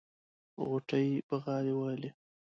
غوټۍ بغاري وهلې.